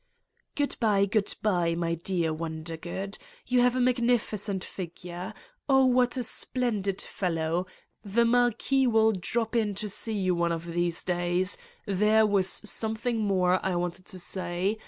"Good by, good by, my dear Wondergood. You have a magnificent figure. ... Oh, what a 186 Satan's Diary, splendid fellow! The Marquis will drop in to see you one of these days. There was something more I wanted to say.